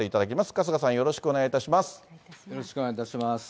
春日さん、よろしくお願いいたします。